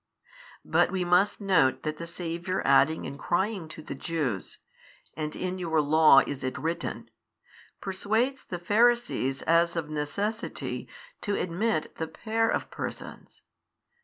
But we must note that the Saviour adding and crying to the Jews, And in your Law is it written, persuades the Pharisees as of necessity to admit the pair of Persons.